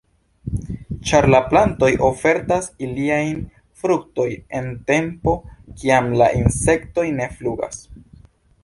Ĉar la plantoj ofertas iliajn fruktoj en tempo kiam la insektoj ne flugas.